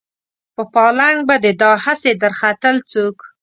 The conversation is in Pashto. په پالنګ به دې دا هسې درختل څوک